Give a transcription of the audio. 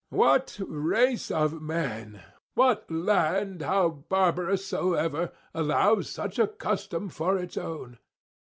What race of men, what land how barbarous soever, allows such a custom for its own?